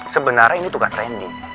sebenernya ini tugas randy